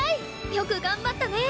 よく頑張ったね！